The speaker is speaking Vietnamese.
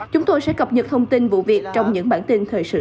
chúng tôi sẽ cập nhật thông tin vụ việc trong những bản tin thời sự sau